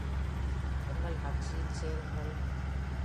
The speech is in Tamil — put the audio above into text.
எங்கள் கட்சியில் சேருங்கள்.